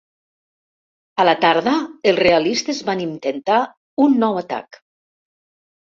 A la tarda els realistes van intentar un nou atac.